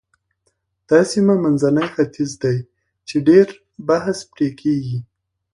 دا سیمه منځنی ختیځ دی چې ډېر بحث پرې کېږي.